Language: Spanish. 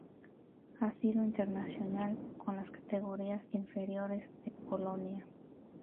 Ha sido internacional con las categorías inferiores de Polonia.